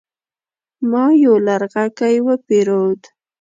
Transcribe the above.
ما يو لرغږی وپيرود